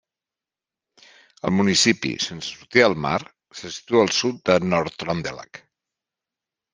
El municipi, sense sortida al mar, se situa al sud de Nord-Trøndelag.